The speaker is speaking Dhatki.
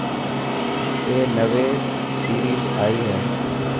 اي نوي سيريز اي هي.